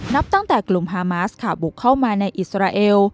นับตั้งแต่กลุ่มฮามาสค่ะบุกเข้ามาในอิสราเอล